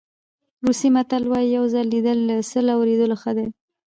روسي متل وایي یو ځل لیدل له سل اورېدلو ښه دي.